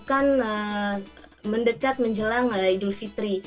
kalian tahu kan mendekat menjelang idul fitri